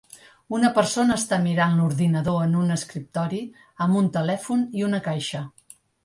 Una persona està mirant l'ordinador en un escriptori amb un telèfon i una caixa.